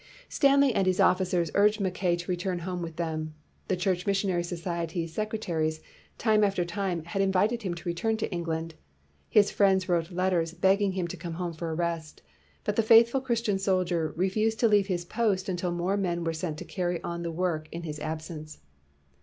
Stanley and his officers urged Mackay to return home with them; the Church Mis sionary Society secretaries, time after time, had invited him to return to England; his friends wrote letters begging him to come home for a rest; but the faithful Christian soldier refused to leave his post until more men were sent to carry on the work in his absence.